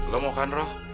lu mau kan roh